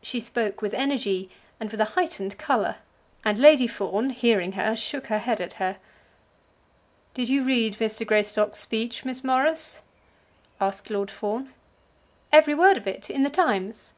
She spoke with energy and with a heightened colour; and Lady Fawn, hearing her, shook her head at her. "Did you read Mr. Greystock's speech, Miss Morris?" asked Lord Fawn. "Every word of it, in the Times."